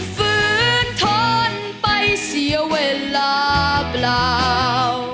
ฟื้นทนไปเสียเวลาเปล่า